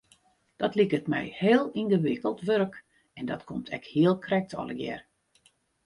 Dat liket my heel yngewikkeld wurk en dat komt ek hiel krekt allegear.